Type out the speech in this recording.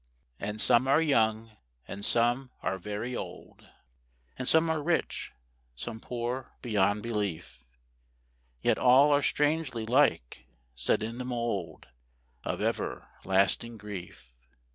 And some are young, and some are very old; And some are rich, some poor beyond belief; Yet all are strangely like, set in the mould Of everlasting grief.